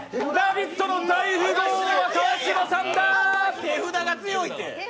「ラヴィット！」の大富豪は川島さんだ！